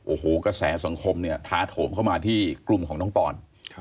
โอ้โหกระแสสังคมเนี่ยท้าโถมเข้ามาที่กลุ่มของน้องปอน